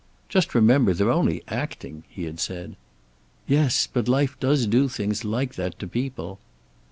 "Just remember, they're only acting," he had said. "Yes. But life does do things like that to people."